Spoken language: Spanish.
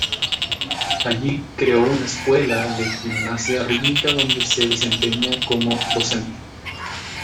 Allí creó una escuela de gimnasia rítmica donde se desempeña como docente.